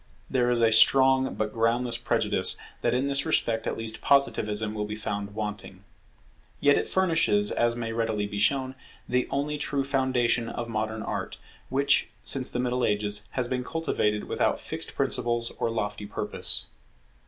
There is a strong but groundless prejudice that in this respect at least Positivism will be found wanting. Yet it furnishes, as may readily be shown, the only true foundation of modern Art, which, since the Middle Ages, has been cultivated without fixed principles or lofty purpose.